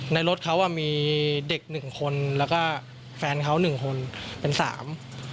รถเขาอ่ะมีเด็กหนึ่งคนแล้วก็แฟนเขาหนึ่งคนเป็นสาม